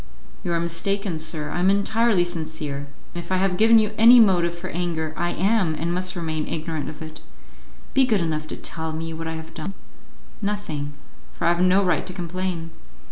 "You are mistaken, sir, I am entirely sincere; and if I have given you any motive for anger, I am, and must remain, ignorant of it. Be good enough to tell me what I have done." "Nothing, for I have no right to complain."